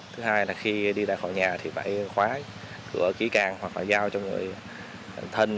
thứ hai là khi đi ra khỏi nhà thì phải khóa cửa kỹ càng hoặc là giao cho người thân